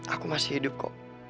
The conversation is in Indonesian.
aku masih hidup kok